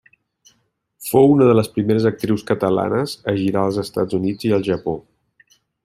Fou una de les primeres actrius catalanes a girar als Estats Units i al Japó.